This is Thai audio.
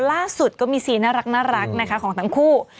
ล่าสุดก็มีซีนน่ารักนะคะของทั้งคู่